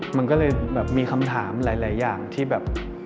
มันก็เลยแบบมีคำถามหลายอย่างที่แบบ